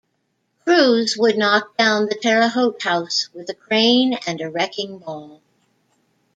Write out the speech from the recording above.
Crews would knock down the Terre Haute House with a crane and wrecking ball.